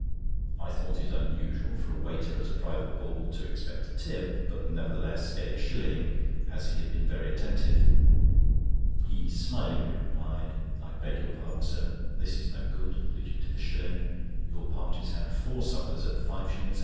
I thought it unusual for a waiter at a private ball to expect a tip, but nevertheless gave a shilling, as he had been very attentive. He smilingly replied: "I beg your pardon, sir, this is no good," alluding to the shilling. "Your party's had four suppers at 5s.